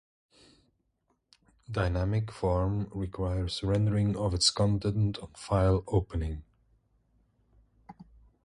Dynamic form requires rendering of its content on file opening.